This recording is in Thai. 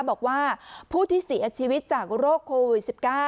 บอกว่าผู้ที่เสียชีวิตจากโรคโควิด๑๙